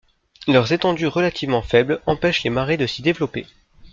Leurs étendues relativement faibles empêchent les marées de s'y développer.